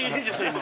今。